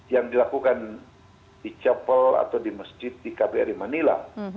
yang dilakukan di chapel atau di masjid di kbri manila